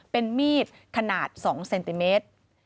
เป็นมีดขนาด๒เซนติเมตร